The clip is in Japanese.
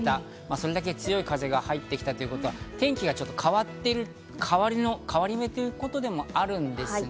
それだけ強い風が入ってきたということで、天気が変わり目ということでもあるんですね。